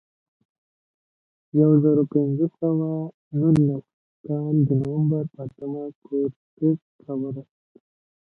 د یو زرو پینځه سوه نولس کال د نومبر په اتمه کورټز راورسېد.